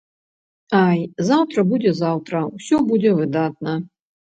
Ай, заўтра будзе заўтра, усё будзе выдатна!